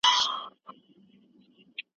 هر ملت خپل ملي ارزښتونه خوندي ساتي.